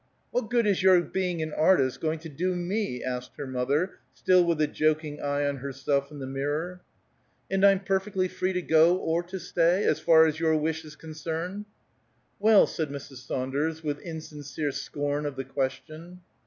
"What good is your being an artist going to do me?" asked her mother, still with a joking eye on herself in the mirror. "And I'm perfectly free to go or to stay, as far as your wish is concerned?" "Well!" said Mrs. Saunders, with insincere scorn of the question.